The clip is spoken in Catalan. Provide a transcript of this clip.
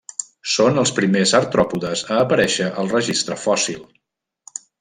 Són els primers artròpodes a aparèixer al registre fòssil.